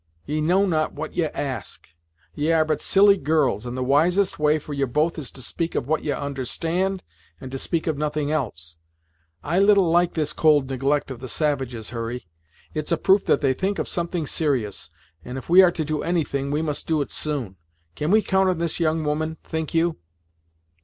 "Ye know not what ye ask ye are but silly girls, and the wisest way for ye both is to speak of what ye understand and to speak of nothing else. I little like this cold neglect of the savages, Hurry; it's a proof that they think of something serious, and if we are to do any thing, we must do it soon. Can we count on this young woman, think you?"